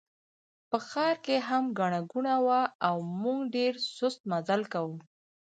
په ښار کې هم ګڼه ګوڼه وه او موږ ډېر سست مزل کاوه.